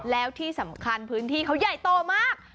แล้วที่สำคัญพื้นที่เขาใหญ่โตมาก